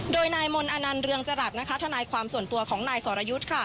โดยนายมนต์อนันต์เรืองจรัสนะคะทนายความส่วนตัวของนายสรยุทธ์ค่ะ